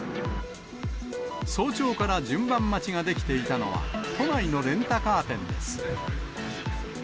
早朝から順番待ちが出来ていたのは、都内のレンタカー店です。